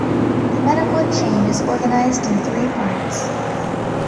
The medical chain is organized in three parts.